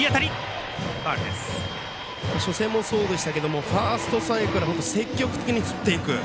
初戦もそうでしたけどファーストストライクから積極的に振っていく。